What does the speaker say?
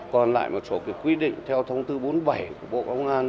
còn lại một số quy định theo thông tư bốn mươi bảy của bộ công an